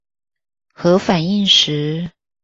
核反應時